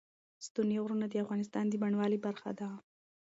ستوني غرونه د افغانستان د بڼوالۍ برخه ده.